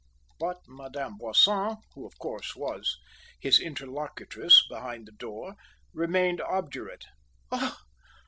But Madame Boisson, who, of course, was his interlocutrice behind the door, remained obdurate.